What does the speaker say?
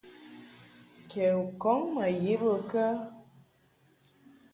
Ke u kɔŋ ma ye bə kə ?